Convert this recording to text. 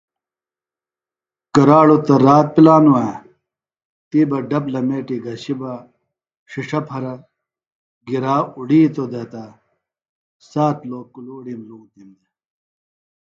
کراڑوۡ تہ رات پِلانوۡ وے تی بہ ڈپ لمیٹی گھشیۡ بہ ݜݜہ پھرےۡ گِرا اُڑیتوۡ دےۡ تہ سات لوکِلوڑِم لُونتِم دےۡ